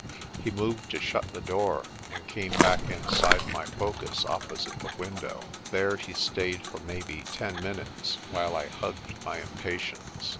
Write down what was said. He moved to shut the door, and came back inside my focus opposite the window. There he stayed for maybe ten minutes, while I hugged my impatience.